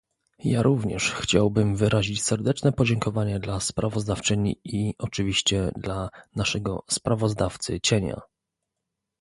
Ja również chciałbym wyrazić serdeczne podziękowania dla sprawozdawczyni i, oczywiście, dla naszego "sprawozdawcy-cienia"